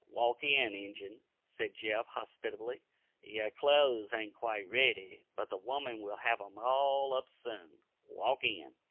"Walk in, Injun," said Jeff, hospitably. "Yer clo'es ain't quite ready, but the woman will hev 'em all up soon walk in."